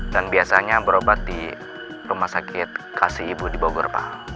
dan biasanya berobat di rumah sakit kasih ibu di bogor pak